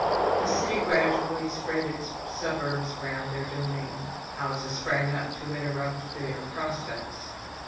The city gradually spread its suburbs round their domain. Houses sprang up to interrupt their prospects.